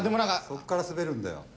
そこから滑るんだよ。